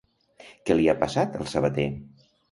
Què li ha passat al Sabaté?